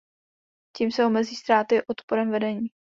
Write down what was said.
Tím se omezí ztráty odporem vedení.